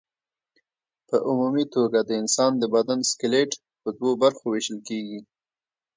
په عمومي توګه د انسان د بدن سکلېټ په دوو برخو ویشل کېږي.